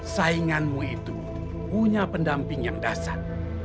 sainganmu itu punya pendamping yang dasar